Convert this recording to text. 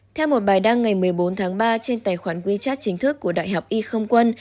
theo một bài đăng ngày một mươi bốn tháng ba trên tài khoản wechat chính thức của đại học y không quân